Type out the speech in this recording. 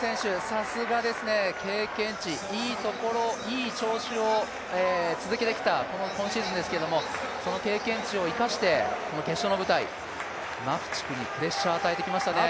さすがですね、経験値いいところいい調子を続けてきた今シーズンですけどもその経験値を生かして決勝の舞台マフチクにプレッシャーを与えてきましたね。